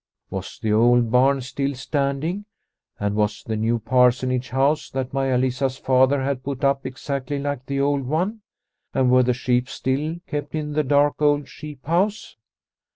Was the old barn still standing ? and was the new parsonage house that Maia Lisa's father had put up exactly like the old one ? And were the sheep still kept in the dark old sheep house